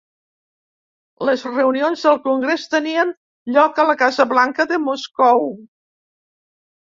Les reunions del Congrés tenien lloc a la Casa Blanca de Moscou.